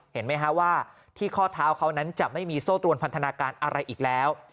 เห็นไหมฮะว่าที่ข้อเท้าเขานั้นจะไม่มีโซ่ตรวนพันธนาการอะไรอีกแล้ว